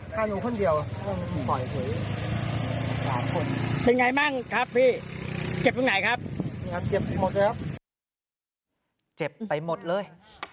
เป็นไงบ้างครับพี่เจ็บทั้งไหนครับเจ็บไปหมดเลย